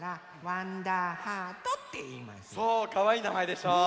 そうかわいいなまえでしょ！ねえ！